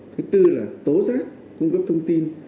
thứ tư là tố giác cung cấp thông tin